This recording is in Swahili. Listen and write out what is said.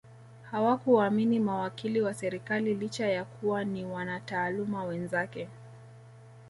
Hakuwaamini mawakili wa serikali licha ya kuwa ni wanataaluma wenzake